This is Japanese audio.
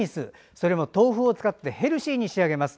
それも豆腐を使ってヘルシーに仕上げます。